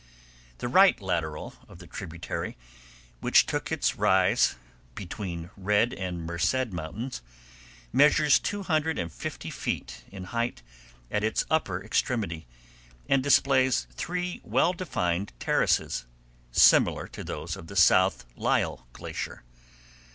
The right lateral of the tributary, which took its rise between Red and Merced Mountains, measures two hundred and fifty feet in height at its upper extremity, and displays three well defined terraces, similar to those of the south Lyell Glacier.